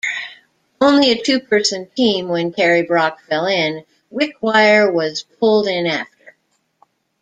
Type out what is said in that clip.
Only a two-person team, when Kerrebrock fell in, Wickwire was pulled in after.